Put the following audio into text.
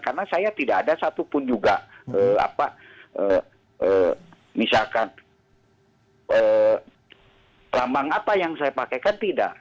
karena saya tidak ada satupun juga misalkan lambang apa yang saya pakai kan tidak